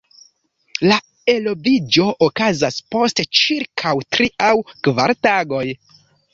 La eloviĝo okazas post ĉirkaŭ tri aŭ kvar tagoj.